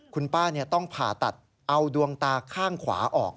คุณป้าต้องผ่าตัดเอาดวงตาข้างขวาออก